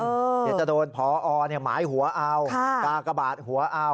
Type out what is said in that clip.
เดี๋ยวจะโดนพอหมายหัวเอากากบาทหัวเอา